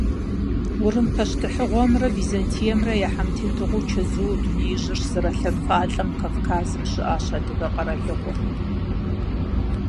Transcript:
Урым пащтыхьыгъуэмрэ Византиемрэ я хьэмтетыгъуэу чэзууэ дунеижьыр щызэралъэфалӏэм Кавказым щыӏащ адыгэ къэралыгъуэ.